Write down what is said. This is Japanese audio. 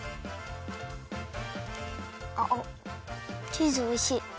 チーズおいしい！